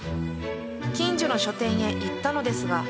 近所の書店へ行ったのですが］